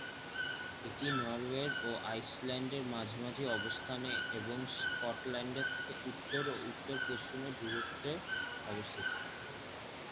এটি নরওয়ে ও আইসল্যান্ডের মাঝামাঝি অবস্থানে এবং স্কটল্যান্ড থেকে উত্তর ও উত্তর-পশ্চিমে দূরত্বে অবস্থিত।